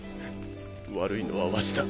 悪いのはワシだ。